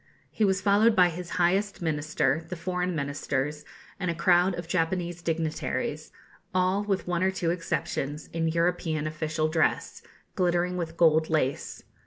He was followed by his highest Minister, the foreign Ministers, and a crowd of Japanese dignitaries, all, with one or two exceptions, in European official dress, glittering with gold lace.